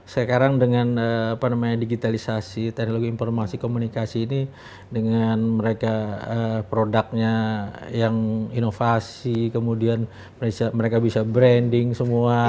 sekarang dengan digitalisasi teknologi informasi komunikasi ini dengan mereka produknya yang inovasi kemudian mereka bisa branding semua